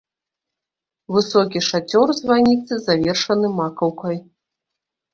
Высокі шацёр званіцы завершаны макаўкай.